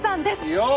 よっ！